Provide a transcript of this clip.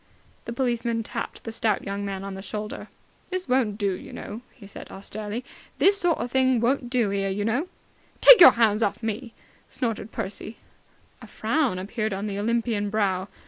The policeman tapped the stout young man on the shoulder. "This won't do, you know!" he said austerely. "This sort o' thing won't do, 'ere, you know!" "Take your hands off me!" snorted Percy. A frown appeared on the Olympian brow.